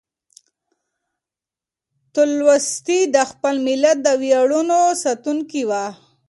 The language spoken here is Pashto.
تولستوی د خپل ملت د ویاړونو ساتونکی و.